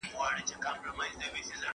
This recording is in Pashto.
د بهرنی تګلاري ارزونه منظم نه ده.